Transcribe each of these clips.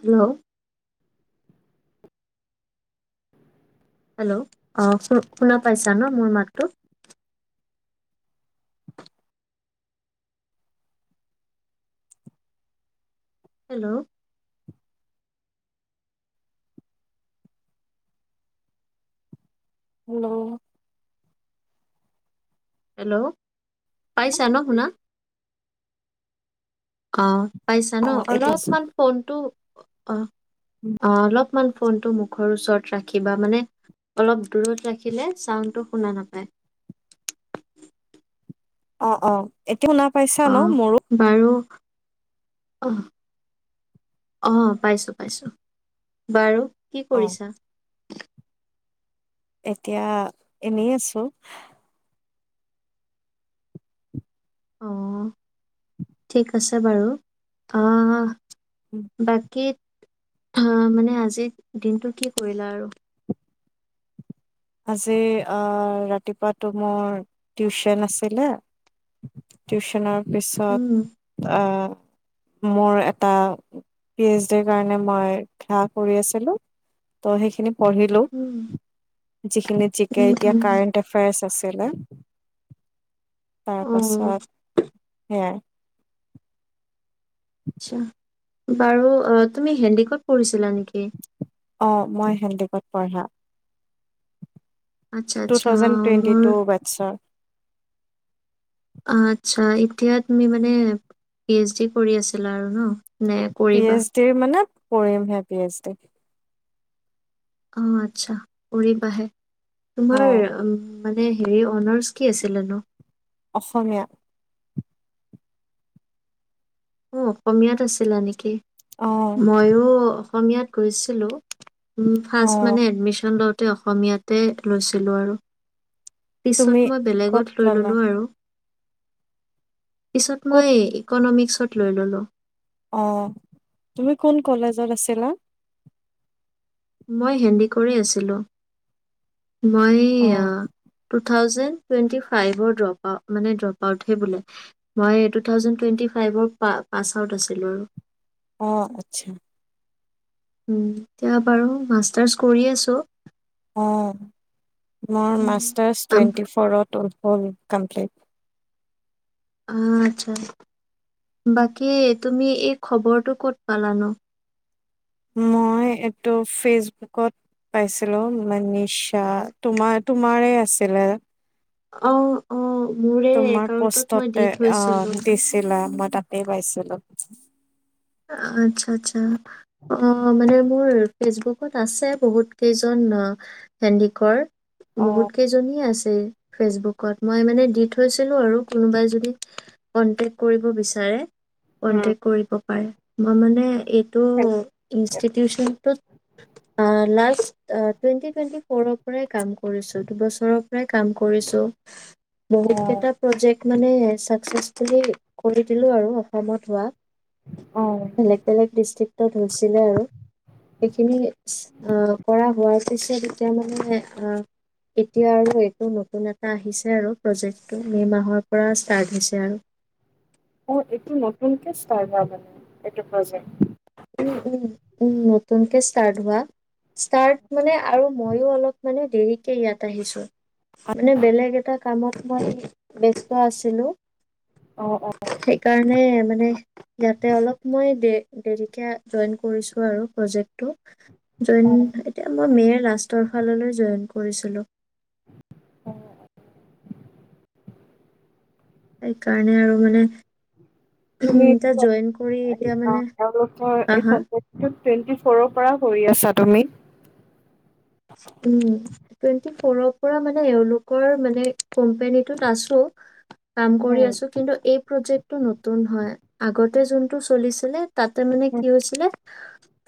Hello hello অ শু শুনা পাইছা ন মোৰ মাতটো হেল্ল' হেল্ল হেল্ল' পাইছা ন শুনা অ পাইছা ন অ এতিয়া আছো অলপমান ফোনটো অ অ অলপ অমান ফোনটো মুখৰ ওচৰত ৰাখিবা মানে অলপ দূৰত ৰাখিলে চাউণ্ডটো শুনা নেপায় অ অ এতিয়া শুনা পাইছা ন মোৰো অহ অহ পাইছোঁ পাইছোঁ বাৰু কি অ কৰিছা এতিয়া এনেই আছো অ ঠিক আছে বাৰু আহ বাকী মানে আজিৰ দিনটো কি কৰিলা আৰু আজি অ ৰাতিপুৱাতো মোৰ টিউচন আছিলে টিউচনৰ পিছত উম মোৰ এটা পি এইচ ডিৰ কাৰণে মই খেলা কৰি আছিলো ত সেইখিনি পঢ়িলো উম যিখিনি জিকে উম এতিয়া উম কাৰেণ্ট এফেয়াৰ্চ আচিলে অ তাৰপাছত হেয়াই আছা বাৰু তুমি হেণ্ডিকত পঢ়িছিলা নেকি অ মই হেণ্ডেকত পঢ়া আচ্ছা টু আচ্ছা থাউজেণ্ড টুৱেন্টি মোৰ টু বেটছৰ আচ্ছা এতিয়া তুমি মানে পি এইচ ডি কৰি আছিলা আৰু ন নে কৰিবা? পি-এইচ-ডিৰ মানে পঢ়িম হে পি-এইচ-ডি অ' আচ্ছা কৰিবাহে! তোমাৰ, অ উম মানে হেৰি অনাৰ্চ কি আছিলে নো? অসমীয়া অ' অসমীয়াত আছিলা নেকি? অ', ময়ো অসমীয়াত গৈছিলোঁ! উম ফাৰ্ষ্ট অ', মানে এডমিচন লওঁতে তে অসমীয়াতে লৈছিলোঁ আৰু। পিছত তুমি মই ক'ত বেলেগত লৈ ল'লা? ললোঁ আৰু! পিছত ক'ত মই ইকনমিক লৈ ললো। অ', তুমি কোন কলেজত আছিলা? মই হেন্দি কৰি আছিলোঁ মই আ, অ', টোত টু-থাউজেণ্ড টুৱেণ্টি-ফাইভৰ ডপ মানে ড্ৰপ আউটহে বোলে, মই টু-থাউজেণ্ড টুৱেণ্টি-ফাইভৰ পা-পাছআউট আছিলোঁ আৰু। অ' আচ্ছা। উম এতিয়া বাৰু মাষ্টাৰ্চ কৰি আছো। অ'। মোৰ উম, মাষ্টাৰচ আম টুৱেন্টি-ফ'ৰত উল হবি কমপ্লীট অ' আচ্ছা, বাকী তুমি এই খবৰটো ক'ত পালানো‌? মই এইটো ফেচবুকত পাইছিলো, মনীষা, তোমাৰ-তোমাৰে আছিলে। অ', অ' মোৰে তোমাৰ একাউণ্টত মই দি পোষ্টতে, থৈছিলোঁ অ' দিছিলা ম তাতে পাইছিলো। আচ্ছা আচ্ছা। অ' মানে মোৰ ফেচবুকত আছে বহুত কেইজন হেণ্ডিকৰ। বহুত অ', কেইজনীয়ে আছে। উম ফেচবুকত, মই মানে দি থৈছিলো আৰু কোনোবাই যদি কন্টেক্ট কৰিব বিচাৰে। উম, কন্টেক কৰিব। পায়। মই মানে এইটো ইনষ্টিটিউচনটোত লা অ টুৱেণ্টি টুৱেন্টি ফ'ৰৰ পৰাই কাম কৰিছো দুবছৰৰ পৰাই কাম কৰিছো বহুত অ', কেইটা প্ৰজেক্ট মানে চাকচেচফুলি কৰি দিলো আৰু অসমত ৱ অ', বেলেগ বেলেগ ডিষ্ট্ৰিক্ট হৈছিলে আৰু সেইখিনি কৰা হোৱাৰ পিছত এতিয়া মানে এতিয়া আৰু এইটো নতুন এটা আহিছে আৰু প্ৰজেক্টটো মে মাহৰ পৰা ষ্টাৰ্ট হৈছে আৰু অ এইটো নতুনকে ষ্টাৰ্ত হোৱা মানে এইটো প্ৰজেক্ট উ উম উম নতুনকে ষ্টাৰ্ট হোৱা ষ্টাৰ্ট মানে আৰু ময়ো অলপ মানে দেৰিকে ইয়াত আহিছো মানে বেলেগ এটা কামত মই ব্যস্ত আছিলো অ', অ', সেইকাৰণে মানে যাতে অলপ মই দে দেৰিকে জইন কৰিছোঁ আৰু প্ৰজেক্টটো জইন অ'। এতিয়া মই মেৰ লাষ্টৰ ফাললৈ জইন কৰিছিলো অ সেইকাৰণে আৰু মানে তুমি এতিয়া জইন কৰি এতিয়া মানে তেওঁলোকৰ হা এই‌ হা প্ৰজেক্টটোত টুৱেণ্টি ফ'ৰৰ পৰা কৰি আছা তুমি উম টুৱেন্টি ফৰৰ পৰা মানে এওঁলোকৰ মানে কোম্পনীটোত আছো কাম কৰি উম, আছো কিন্তু এই প্ৰজেক্ট টো নতুন হয় আগতে যোনটো চলিছিলে তাতে মানে উম, কি হৈছিলে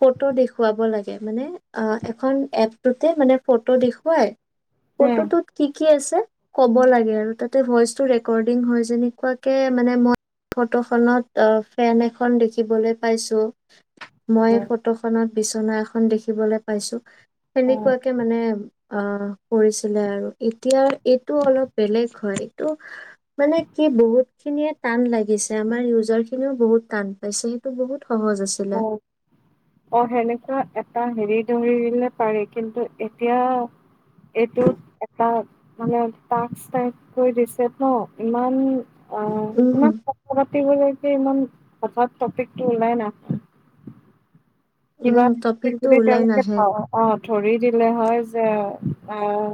ফটো দেখুৱাব লাগে মানে অ এখন এপ তাতে মানে ফটো দেখুৱাই উম, ফটোটোত কি কি আছে ক'ব লাগে আৰু তাতে ভইচ টো ৰেকৰ্ডিং হয় যেনেকুৱাকে মানে মই ফটোখনত ফেন এখন দেখিবলৈ পাইছো মই হয়, ফটোখনত বিচনা এখন দেখিবলৈ পাইছো অ', সেনেকুৱাকে মানে অ কৰিছিলে আৰু এতিয়া এইটো অলপ বেলেগ হয় এইটো মানে কি বহুত খিনিয়ে টান লাগিছে আমাৰ ইউজাৰ খিনিও বহুত টান পাইছে সেইটো বহুত সহজ আছিলে অ'। অ সেনেকুৱা এটা হেৰি দৌৰিলে পাৰে কিন্তু এতিয়া এইটো তাক মানে টাস্ক টাইপ কৰি দিছে ত ইমান অ', উম ইমান কথা ইমান হঠাৎ টপিকটো ওলাই না কিবা উম টপিকটো যদি ওলাই তেওঁলোকে নাহে আহ ধৰি দিলে হয় যে আহ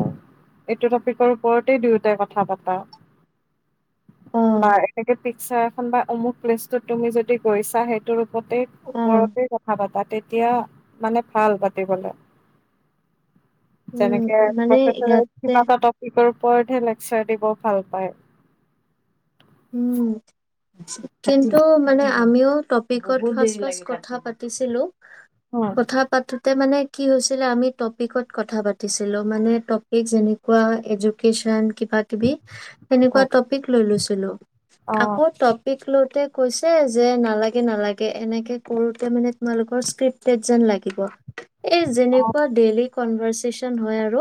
এইটো টপিকৰ ওপৰতেই দুয়োটাই কথা পাতা অ বাৰ এতেকে পিকচাৰ বা অমুক প্লেচত তুমি যদি গৈছা সেইটো প্ৰক অ ওপৰতে কথা পাতা তেতিয়া মানে ভাল পাতিবলে উম তেনেকে মানে প্ৰফেচনেল ইয়াতে কিবা এটা টপিকৰ ওপৰতহে লেকচাৰ দিব ভাল পায় উম কিন্তু মানে আমিও টপিকত ফাৰ্ষ্ট ফাৰ্ষ্ট কথা পাতিছিলো উম কথা পাতো ত মানে কি হৈছিলে আমি টপিকত কথা পাতিছিলোঁ মানে টপিক যেনেকুৱা এডুকেশ্যন কিবা কিবি হয় সেনেকুৱা টপিক লৈ লৈছিলো অ আকৌ টপিক লৈ কৈছে যে নালাগে নালাগে এনেকে কৰোতে মানে তোমালোকৰ স্ক্ৰিপ্টেড যেন লাগিব এই অ যেনেকুৱা ডেইলী কনভাৰ্চেচন হয় আৰু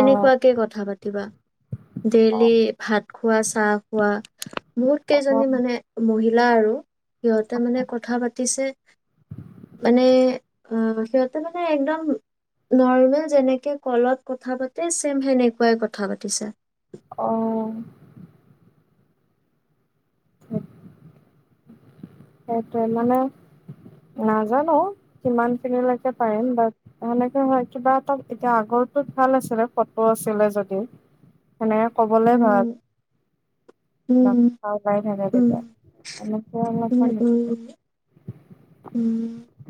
অ কথা পাতিবা অ ডেইলি ভাত খোৱা চাহ খোৱা হয় মোৰ কেইজনী মানে মহিলা লা আৰু সিহঁতে অ মানে কথা পাতিছে মানে অ সিহঁতে মানে একদম নৰ্মেল যেনেকে কলত কথা পাতে ছেম সেনেকুৱাই কথা পাতিছে আহ হয় সেইটোৱে মানে নাজানো কিমান খিনিলৈকে পাৰিম বাট সেনেকে হয় কিবা এটা এতিয়া আগৰটোত ভাল আছিলে ফটো আছিলে যদিও সেনেকে ক'বলে ভাল উম উম গাই থাকা উম তেতিয়া অ উম উমঢ়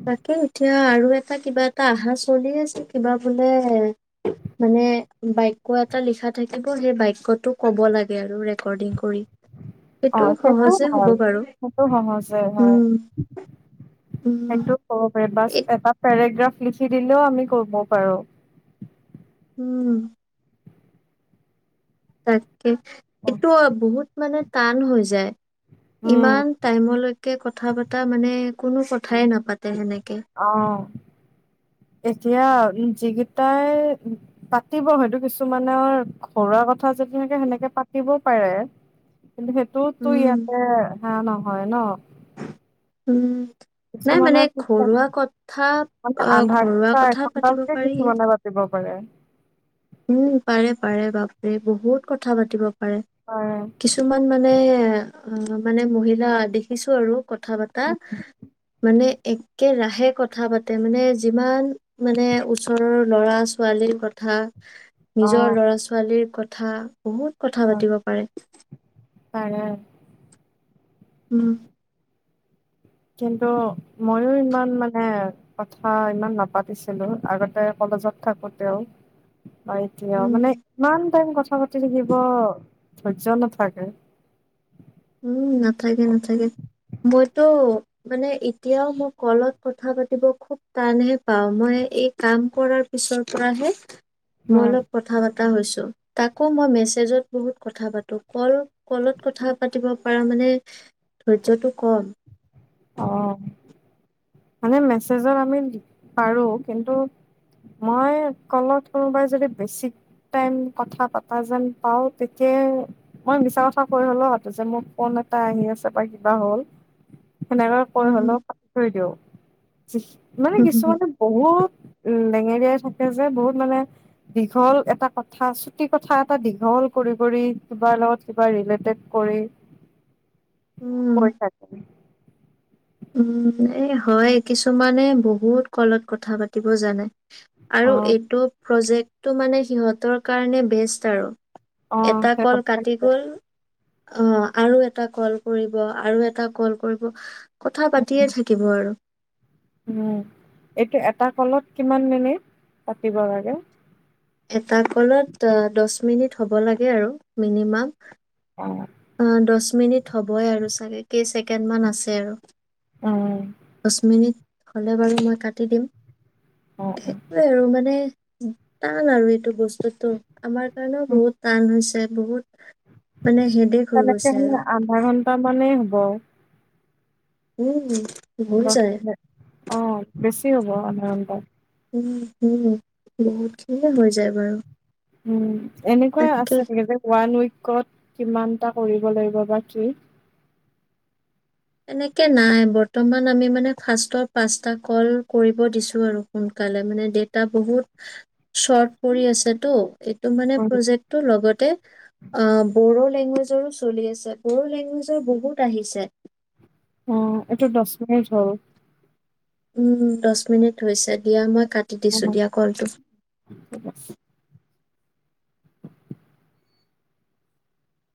তাকে এতিয়া আৰু এটা কিবা এটা অহা চলি আছে কিবা বোলে মানে বাক্য এটা লিখা থাকিব সেই বাক্যটো কব লাগে আৰু ৰেকৰ্ডিং কৰি অ সেইটো সহজে ভ হ'ব বাৰু সেইটো সহজে হয় উম, উম, সেইটো হ'ব পাৰে বাছ এ এটা পৰা পেৰেগাফ লিখি দিলে আমি ক'ব পাৰু উম হয় এইটো বহুত মানে টান হৈ যায় উম ইমান টাইমলৈকে কথা পতা মানে কোনো কথাই নাপাতে সেনেকে অ এতিয়া যিকেইটাই পাতিব হয়টো কিছুমানেৰ ঘৰুৱা কথা যদি থাকে সেনেকে পাতিব পাৰে কিন্তু সেইটোতো উম, ইয়াতে সে নহয় ন উম নাই মানে কিছুমানৰ পিছে ঘৰুৱা কথা মানে আহ আধা ঘৰুৱা ঘণ্টা কথা পাতিব এঘন্টালৈকে পাৰি কিছুমানে পাতিব পাৰে উম পাৰে পাৰে বাপৰে বহুত কথা পাতিব পাৰে কিছুমান মানে অ মানে মহিলা দেখিছো আৰু কথা পতা মানে একেৰাহে কথা পাতে মানে যিমান মানে ওচৰৰ ল'ৰা ছোৱালীৰ কথা অ নিজৰ ল'ৰা ছোৱালীৰ কথা কথা বহুত কথা পাতিব পাৰে পাৰে উম কিন্তু ময়ো ইমান মানে কথা ইমান নাপাতিছিলোঁ আগতে কলেজত থাকোঁতে হয় দিয়া উম মানে ইমান টাইম কথা পাতি থাকিব ধৈৰ্য নাথাকে উম নাথাকে নাথাকে মইতো মানে এতিয়াও মই কলত কথা পাতিব খুব টানহে পাওঁ মই এই কাম কৰাৰ পিছৰ পৰাহে মই উম অলপ কথা পাতি ছ তাকো মই মেচেজত বহুত কথা পো ক কলত কথা পাতো পাতিব পৰাৰ মানে ধৈৰ্যটো কম অঁ মানে মেছেজত আমি পাৰোঁ কিন্তু মই কলত কোনোবাই যদি বেছিক টাইম কথা পতা যেন পাওঁ তেতিয়াই মই মিছা কথা কৈ হ'ল যে মোৰ ফোন এটা আহি আছে বা কিবা হ'ল সেনেকে কৈ উম হলেও ক থৈ দিও। মানে কিছুমানে বহুত উ লেঙেৰিয়াই থাকে যে বহুত মানে দীঘল এটা কথা চুটি কথা এটা দীঘল কৰি কৰি কিবাৰ লগত কিবা ৰিলেটেড কৰি উম কৈ থাকে উম এ হয় কিছুমানে বহুত কলত কথা পাতিব জানে অ আৰু এইটো প্ৰজেক্ট তটো মানে সিহঁতৰ কাৰণে বেষ্ট আৰু অ এটা কল সেই কাটি গ'ল অ আৰু এটা কল কৰিব আৰু এটা কল কৰিব কথা পাতিয়ে উম থাকিব আৰু উম এইটো এটা কলত কিমান মিনিট পাতিব লাগে এটা কলত দহ মিনিট হ'ব লাগে আৰু মিনিমাম অঁ অ দহ মিনিট হ'বই আৰু চাগে কেই ছেকেণ্ড মান উম আছে আৰু উম, দহ মিনিট হ'লে বাৰু মই কাটি দিম অ অ সেইটোৱে আৰু মানে আৰু এইটো বস্তু আমাৰ কাৰণেও উম, বহুত টান হৈছে বহুত মানে হেদেক তেনেকে হ আধা ঘন্টা মানে হ গ উম হ অ বেছ চি হ'ব উম উম বহুত খিনিয়ে হৈ যায় বাৰু উম এনেকুৱা তাকে আছে নেকি যে ওৱান উইকত কিমান এটা কৰিব লাগিব বা কি এনেকে নাই বৰ্তমান আমি মানে ফাৰ্ষ্টৰ পাঁচটা কল কৰিব দিছো আৰু সোনকালে মানে ডেটা বহুত চৰ্ট পৰি আছেতো। উম, প্ৰজেক্টটো লগতে ব লেংগুৱেজৰো চলি আছে বড়ো লেংগুৱেজৰ বহুত আহিছে অ এইটো দহ মিনিট হ'ল উম দহ মিনিট হৈছে দিয়া মই কাটি অ, দিছো দিয়া কলটো ঠিক আছে।